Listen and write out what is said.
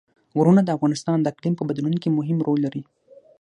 غرونه د افغانستان د اقلیم په بدلون کې مهم رول لري.